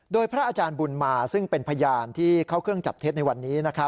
โดยพระอาจารย์บุญมาซึ่งเป็นพยานที่เข้าเครื่องจับเท็จในวันนี้